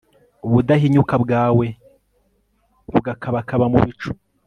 ubudahinyuka bwawe bugakabakaba mu bicu